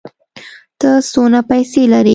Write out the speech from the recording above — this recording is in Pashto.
ته څونه پېسې لرې؟